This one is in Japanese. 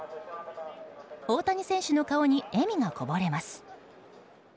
大谷選手の顔に笑みがこぼれます。